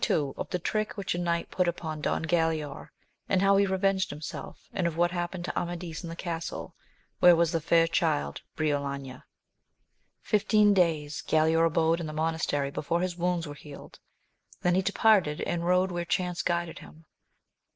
— Of tlie trick whicli a Knight put upon Don G^alaor and how he revenged himself; and of what happened to Amadis in the Castle where was the fair child Brioknia. IFTEEN days Galaor abode in the monastery before his wounds were healed ; then he departed, and rode where chance guided Lim.